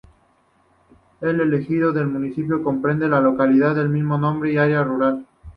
El ejido del municipio comprende la localidad del mismo nombre y un área rural.